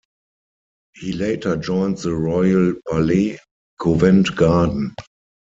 He later joined the Royal Ballet, Covent Garden.